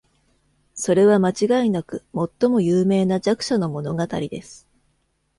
それは間違いなく最も有名な弱者の物語です。